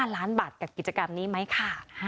๕ล้านบาทกับกิจกรรมนี้ไหมค่ะ